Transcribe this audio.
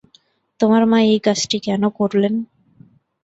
তোমার মা এই কাজটি কেন করলেন?